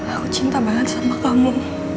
aku cinta banget sama kamu